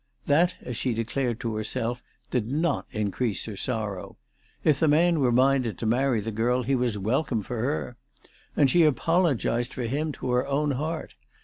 That, as she declared to herself, did not increase her sorrow. If the man were minded to marry the girl he was welcome for her. And she apologised for him to her own heart.